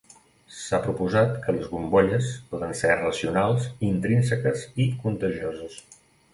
S'ha proposat que les bombolles poden ser racionals, intrínseques, i contagioses.